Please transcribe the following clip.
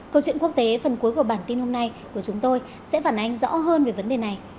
câu chuyện quốc tế phần cuối của bản tin hôm nay của chúng tôi sẽ phản ánh rõ hơn về vấn đề này